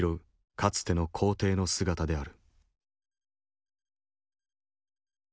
かつての皇帝の姿である。